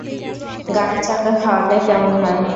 গাড়ির চাকা খাওয়ালে কেমন হয়?